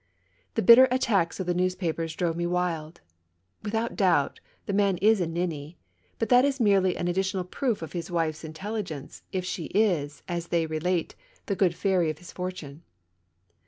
The bitter attacks of the news papers drove me wild. Without doubt, the man is a THE MAISONS LAFFITTB RACES. 41 ninny; but that is merely an additional proof of his wife's intelligence, if she is, as they relate, the good fairy of his fortune.